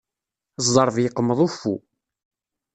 Ẓẓerb yeqmeḍ uffu.